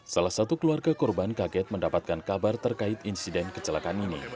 salah satu keluarga korban kaget mendapatkan kabar terkait insiden kecelakaan ini